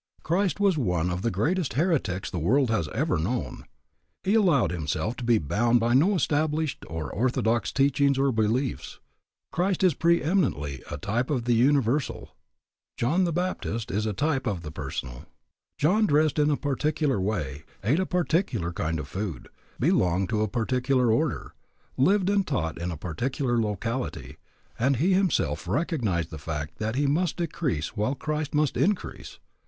Christ was one of the greatest heretics the world has ever known. He allowed himself to be bound by no established or orthodox teachings or beliefs. Christ is preëminently a type of the universal. John the Baptist is a type of the personal. John dressed in a particular way, ate a particular kind of food, belonged to a particular order, lived and taught in a particular locality, and he himself recognized the fact that he must decrease while Christ must increase.